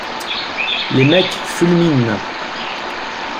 Les mecs fulminent.